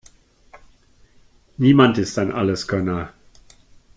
Niemand ist ein Alleskönner.